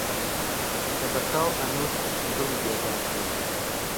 کە بە چاو ئەنووست دڵی بێدار بوو